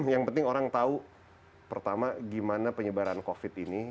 yang penting orang tahu pertama gimana penyebaran covid ini